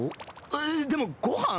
えっでもご飯？